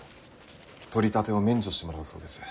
取り立てを免除してもらうそうです。